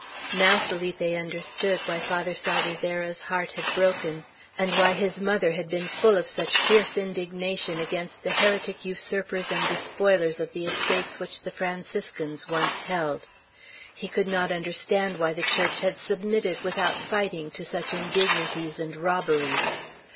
Now Felipe understood why Father Salvierderra's heart had broken, and why his mother had been full of such fierce indignation against the heretic usurpers and despoilers of the estates which the Franciscans once held. He could not understand why the Church had submitted, without fighting, to such indignities and robberies.